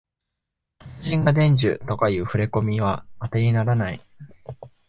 達人が伝授とかいうふれこみはあてにならない